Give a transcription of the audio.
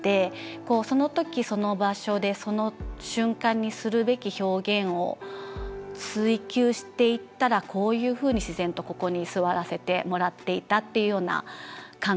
その時その場所でその瞬間にするべき表現を追求していったらこういうふうに自然とここに座らせてもらっていたっていうような感覚。